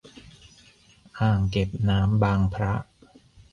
อ่างเก็บน้ำบางพระ.